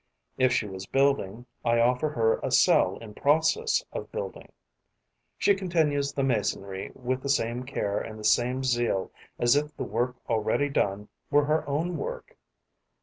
If she was building, I offer her a cell in process of building. She continues the masonry with the same care and the same zeal as if the work already done were her own work.